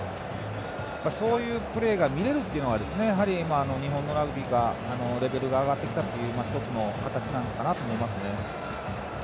そういうプレーが見れるというのは日本のラグビーのレベルが上がってきたという１つの形なのかなと思いますね。